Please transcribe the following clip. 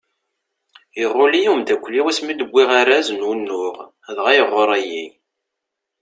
Iɣul-iyi umeddakel-iw asmi d-wwiɣ araz n unuɣ, dɣa iɣuṛṛ-iyi!